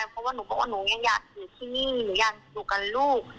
เพราะว่าหนุ่มก่อนหนึ่งอยากอยู่ที่นี่หนูอยากถูกกันลูก